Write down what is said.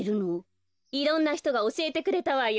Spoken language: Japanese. いろんなひとがおしえてくれたわよ。